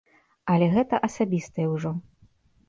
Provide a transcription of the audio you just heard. Але гэта асабістае ўжо.